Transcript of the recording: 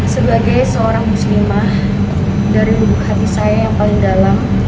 sebagai seorang muslimah dari lubuk hati saya yang paling dalam